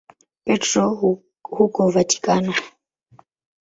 Petro huko Vatikano.